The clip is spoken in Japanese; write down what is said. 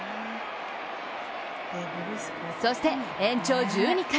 そして、延長１２回。